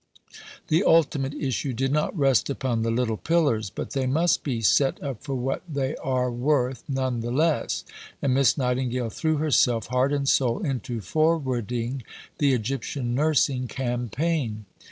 The ultimate issue did not rest upon the little pillars; but they must be set up for what they are worth none the less, and Miss Nightingale threw herself, heart and soul, into forwarding the Egyptian nursing campaign.